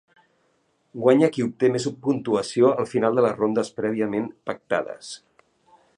Guanya qui obté més puntuació al final de les rondes prèviament pactades.